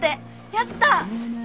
やったー！